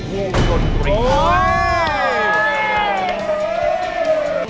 ่งดนตรี